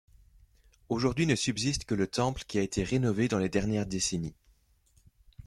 Aujourd'hui ne subsiste que le temple qui a été rénové dans les dernières décennies.